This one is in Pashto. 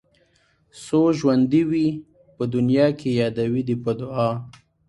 څو ژوندي وي په دنيا کې يادوي دې په دعا